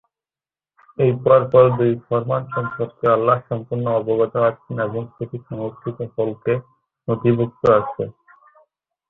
এই পরপর দুই ফরমান সম্পর্কে আল্লাহ সম্পূর্ণ অবগত আছেন এবং সেটি সংরক্ষিত ফলকে নথিভুক্ত আছে।